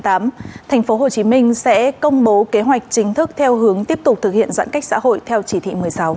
tp hcm sẽ công bố kế hoạch chính thức theo hướng tiếp tục thực hiện giãn cách xã hội theo chỉ thị một mươi sáu